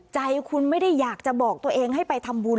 ใจคุณไม่ได้อยากจะบอกตัวเองให้ไปทำบุญ